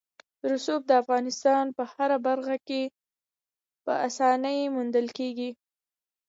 رسوب د افغانستان په هره برخه کې په اسانۍ موندل کېږي.